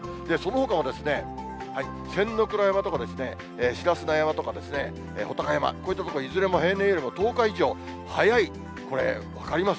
そのほかも仙ノ倉山とか、白砂山とかですね、武尊山、こういった所、いずれも平年よりも１０日以上早い、これ、分かります？